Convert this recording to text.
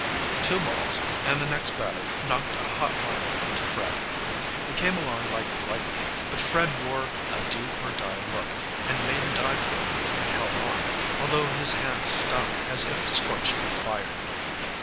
Two balls, and the next batter knocked a hot liner to Fred. It came along like lightning, but Fred wore a "do or die" look and made a dive for it and held on, although his hands stung as if scorched with fire.